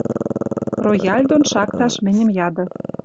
Рояль дон шакташ мӹньӹм яды.